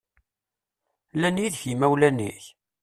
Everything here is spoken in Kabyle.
Llan yid-k yimawlan-ik?